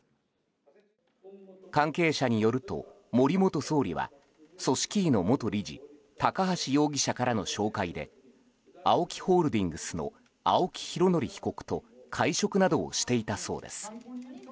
関係者によると、森元総理は組織委の元理事高橋容疑者からの紹介でＡＯＫＩホールディングスの青木拡憲被告と会食などをしていたそうです。